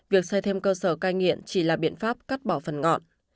việc xây thêm cơ sở cai nghiện chỉ là biện pháp cắt bỏ phần ngọn